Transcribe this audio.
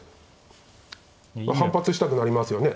反発したくなりますよね。